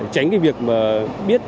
tránh cái việc mà biết